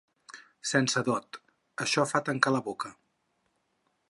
Sense dot! Això fa tancar la boca.